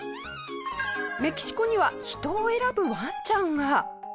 メキシコには人を選ぶワンちゃんが。